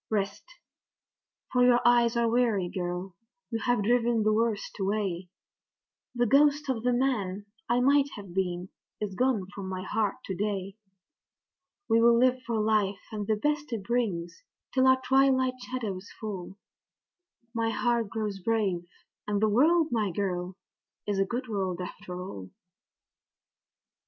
Rest, for your eyes are weary, girl you have driven the worst away The ghost of the man that I might have been is gone from my heart to day; We'll live for life and the best it brings till our twilight shadows fall; My heart grows brave, and the world, my girl, is a good world after all.